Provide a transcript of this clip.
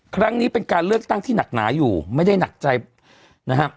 ครั้งนี้เป็นการเลือกตั้งที่หนักหนาอยู่ไม่ได้หนักใจนะครับ